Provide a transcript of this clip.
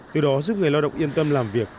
từ đó giúp người lao động yên tâm làm việc